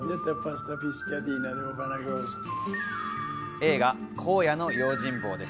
映画『荒野の用心棒』です。